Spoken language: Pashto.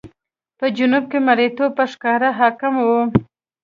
په جنوب کې مریتوب په ښکاره حاکم و.